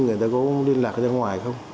người ta có liên lạc ra ngoài không